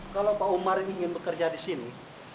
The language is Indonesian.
kalau pak umar ingin bekerja disini